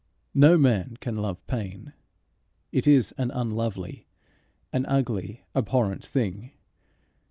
No man can love pain. It is an unlovely, an ugly, abhorrent thing.